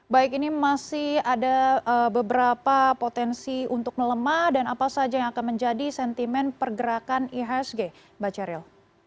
baik ini masih ada beberapa potensi untuk melemah dan apa saja yang akan menjadi sentimen pergerakan ihsg mbak ceril